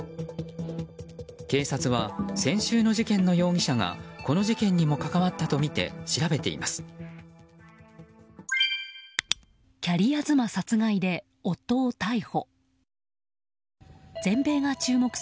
警察は先週の事件の容疑者がこの事件にも関わったとみて調べています。